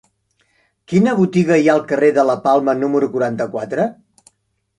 Quina botiga hi ha al carrer de la Palma número quaranta-quatre?